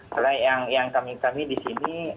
karena yang kami kami di sini